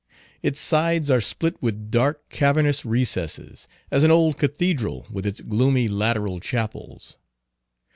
Its sides are split with dark cavernous recesses, as an old cathedral with its gloomy lateral chapels.